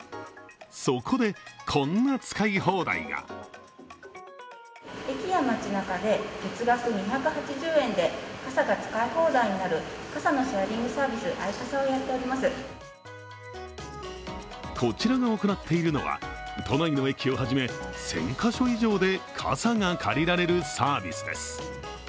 そこで、こんな使い放題がこちらが行っているのは、都内の駅をはじめ、１０００カ所以上で傘が借りられるサービスです。